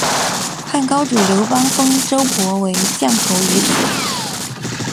汉高祖刘邦封周勃为绛侯于此。